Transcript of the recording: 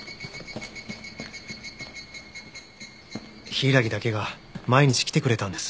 柊だけが毎日来てくれたんです。